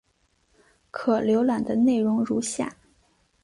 可浏览的内容如下。